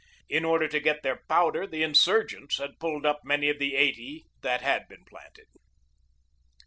In order to get their powder the insurgents had pulled up many of the eighty that had been planted.